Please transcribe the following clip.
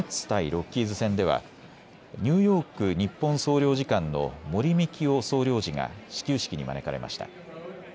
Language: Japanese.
ロッキーズ戦ではニューヨーク日本総領事館の森美樹夫総領事が始球式に招かれました。